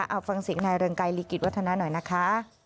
เอาฟังเสียงนายเรืองไกรลิกิจวัฒนาหน่อยนะคะ